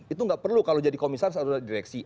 itu nggak perlu kalau jadi komisaris atau direksi